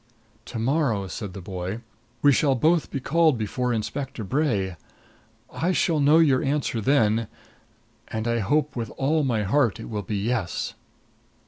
"To morrow," said the boy, "we shall both be called before Inspector Bray. I shall know your answer then and I hope with all my heart it will be yes."